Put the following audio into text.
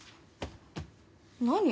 何？